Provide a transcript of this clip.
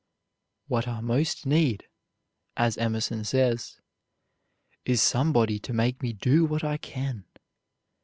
"What I most need," as Emerson says, "is somebody to make me do what I can."